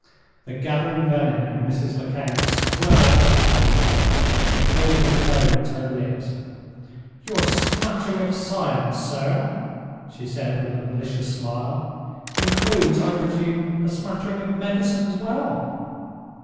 The gathering venom in Mrs. Lecount swelled up at that reply, and overflowed at her lips. "Your smattering of science, sir," she said, with a malicious smile, "includes, I presume, a smattering of medicine as well?"